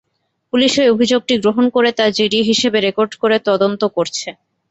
Police ওই অভিযোগটি গ্রহণ করে তা জিডি হিসেবে রেকর্ড করে তদন্ত করছে।